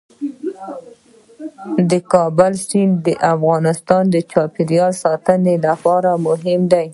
د کابل سیند د افغانستان د چاپیریال ساتنې لپاره مهم دي.